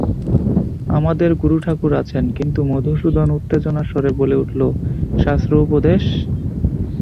আমাদের গুরুঠাকুর আছেন, কিন্তু– মধুসূদন উত্তেজনার স্বরে বলে উঠল, শাস্ত্র-উপদেশ!